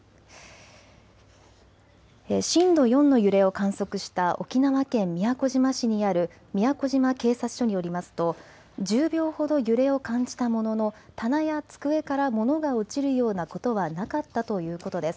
震度４の揺れを観測した沖縄県宮古島市にある宮古島警察署によりますと１０秒ほど揺れを感じたものの棚や机から物が落ちるようなことはなかったということです。